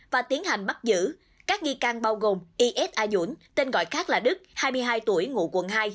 và tiến hành bắt giữ các nghi can bao gồm ys a dũng tên gọi khác là đức hai mươi hai tuổi ngụ quận hai